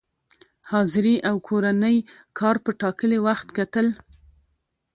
حاضري او کورني کار په ټاکلي وخت کتل،